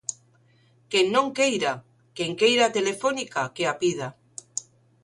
Quen non queira, quen queira a telefónica que a pida.